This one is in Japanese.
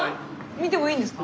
見てもいいんですか？